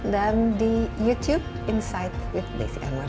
dan di youtube insight with desi anwar